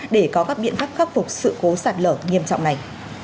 để có các biện pháp khắc phục sự cố sạt lở nghiêm trọng này